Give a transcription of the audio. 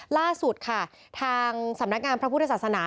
ล่าสุดค่ะทางสำนักงานพระพุทธศาสนา